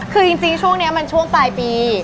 คือจริงช่วงนี้มันช่วงปลายปี